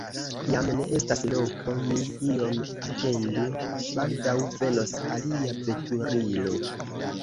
Jam ne estas loko, ni iom atendu, baldaŭ venos alia veturilo.